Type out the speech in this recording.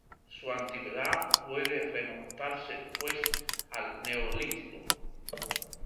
Su antigüedad puede remontarse, pues, al Neolítico.